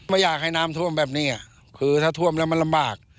ไม่อยากให้น้ำท่วมแบบนี้คือถ้าท่วมแล้วมันลำบาก